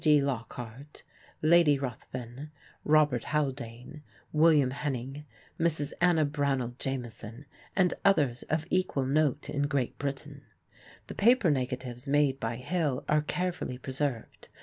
G. Lockhart, Lady Ruthven, Robert Haldane, William Henning, Mrs. Anna Brownell Jameson, and others of equal note in Great Britain. The paper negatives made by Hill are carefully preserved.